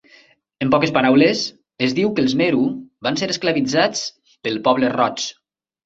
En poques paraules, es diu que els Meru van ser esclavitzats pel Poble Roig.